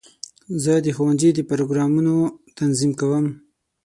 زه د ښوونځي د پروګرامونو تنظیم کوم.